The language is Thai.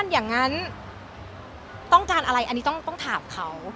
อย่างนั้นต้องการอะไรอันนี้ต้องถามเขา